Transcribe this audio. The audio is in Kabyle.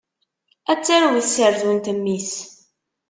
Ad tarew tserdunt mmi-s.